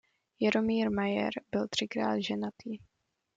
Jaromír Mayer byl třikrát ženatý.